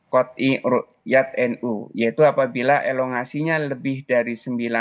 kot i ru yat nu yaitu apabila elongasinya lebih dari sembilan enam